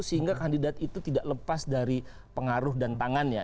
sehingga kandidat itu tidak lepas dari pengaruh dan tangannya